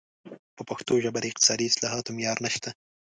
په پښتو ژبه د اقتصادي اصطلاحاتو معیار نشته.